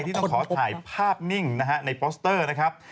ที่ต้องขอถ่ายภาพนิ่งนะฮะในโปสเตอร์นะครับ